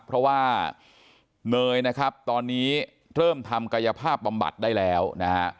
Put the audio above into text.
เพราะว่าเนยนะครับตอนนี้เริ่มทำกายภาพบำบัดได้แล้วนะฮะ